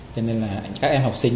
cho nên là các em học sinh